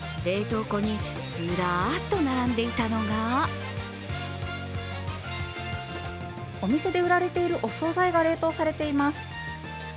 冷凍庫にずらっと並んでいたのがお店で売られているお総菜が冷凍されています。